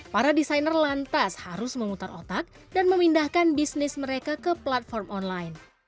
para desainer lantas harus memutar otak dan memindahkan bisnis mereka ke platform online